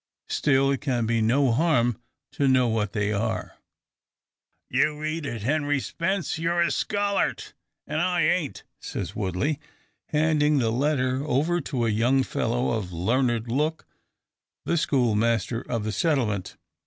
Still it can be no harm to know what they are. "You read it, Henry Spence! You're a scholart, an' I ain't," says Woodley, handing the letter over to a young fellow of learned look the schoolmaster of the settlement.